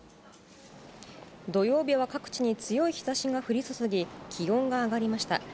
土曜日は各地に強い日ざしが降り注ぎ、気温が上がりました。